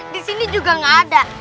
disini juga gak ada